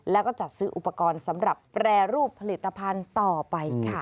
แล้วก็จัดซื้ออุปกรณ์สำหรับแปรรูปผลิตภัณฑ์ต่อไปค่ะ